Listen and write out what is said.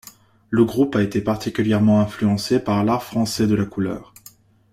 Le groupe a été particulièrement influencé par l'art français de la couleur.